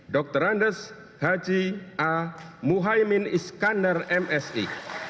dr andes haji a muhaymin iskandar msi